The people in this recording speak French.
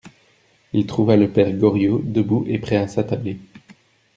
Il trouva le père Goriot debout et prêt à s'attabler.